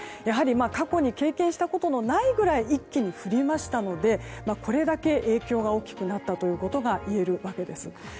やはり過去に経験したことないくらい一気に降りましたのでこれだけ影響が大きくなったということがいえるわけです。